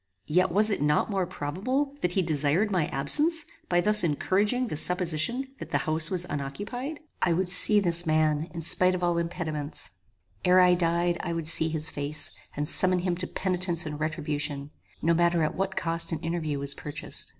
Yet was it not more probable that he desired my absence by thus encouraging the supposition that the house was unoccupied? I would see this man in spite of all impediments; ere I died, I would see his face, and summon him to penitence and retribution; no matter at what cost an interview was purchased.